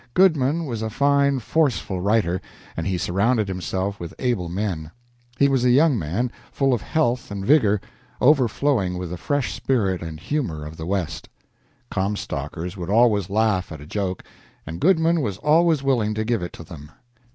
Goodman was a fine, forceful writer, and he surrounded himself with able men. He was a young man, full of health and vigor, overflowing with the fresh spirit and humor of the West. Comstockers would always laugh at a joke, and Goodman was always willing to give it to them.